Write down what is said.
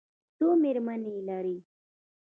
څو مېرمنې لري؟